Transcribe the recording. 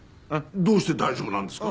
どうして大丈夫なんですか？